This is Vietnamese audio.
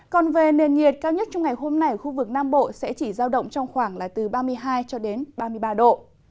còn về nền nhiệt cao nhất trong ngày hôm nay ở khu vực nam bộ sẽ chỉ giao động trong khoảng là từ ba mươi hai ba mươi ba độ